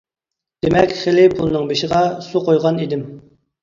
دېمەك خېلى پۇلنىڭ بېشىغا سۇ قۇيغان ئىدىم.